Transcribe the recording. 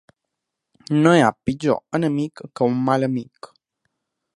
No hi ha pitjor enemic que un mal amic.